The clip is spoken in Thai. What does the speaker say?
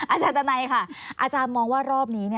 อาจารย์ดันัยค่ะอาจารย์มองว่ารอบนี้